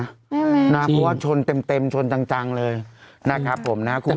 ไม่จริงนะครับพี่ว่าชนเต็มชนจังเลยนะครับผมนะครับ